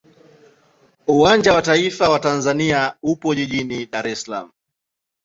Uwanja wa taifa wa Tanzania upo jijini Dar es Salaam.